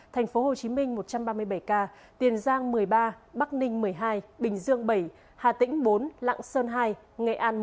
tp hcm một trăm ba mươi bảy ca tiền giang một mươi ba bắc ninh một mươi hai bình dương bảy hà tĩnh bốn lạng sơn hai nghệ an